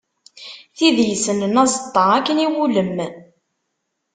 Tid i yessnen azeṭṭa akken iwulem.